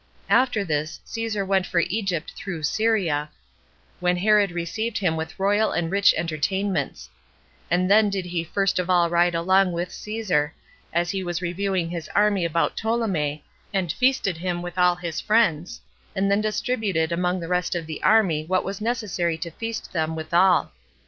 After this Caesar went for Egypt through Syria, when Herod received him with royal and rich entertainments; and then did he first of all ride along with Caesar, as he was reviewing his army about Ptolemais, and feasted him with all his friends, and then distributed among the rest of the army what was necessary to feast them withal.